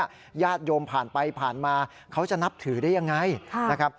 ญาติโยมผ่านไปผ่านมาเขาจะนับถือได้ยังไงนะครับ